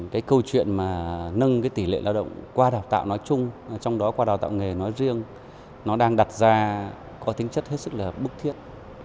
cái câu chuyện mà nâng tỷ lệ lao động qua đào tạo nói chung trong đó qua đào tạo nghề nói riêng nó đang đặt ra có tính chất hết sức là bức thiết